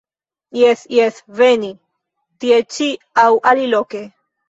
Jes, jes, veni tie-ĉi aŭ aliloke.